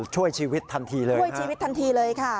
ช่วยชีวิตทันทีเลยช่วยชีวิตทันทีเลยค่ะ